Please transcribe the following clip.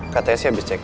katanya sih abis check up